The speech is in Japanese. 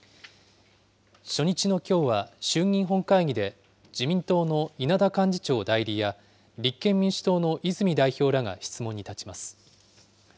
初日のきょうは衆議院本会議で、自民党の稲田幹事長代理や、立憲民主党の泉代表らが質問に立ちます。